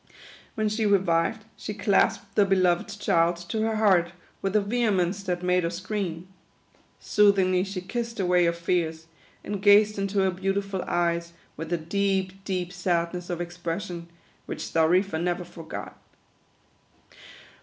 When she revived, she clasped the be loved child to her heart with a vehemence that made her scream. Soothingly she kissed away her fears, and gazed into her beautiful eyes with a deep, deep sadness of expression, which Xarifa never forgot.